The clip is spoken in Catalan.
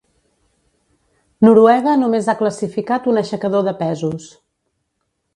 Noruega només ha classificat un aixecador de pesos.